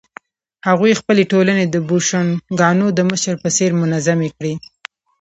هغوی خپلې ټولنې د بوشونګانو د مشر په څېر منظمې کړې.